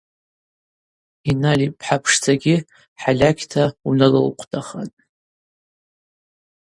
Иналь йпхӏа пшдзагьи хӏальакьта уналылхъвдахатӏ.